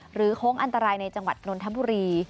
โค้งอันตรายในจังหวัดนนทบุรี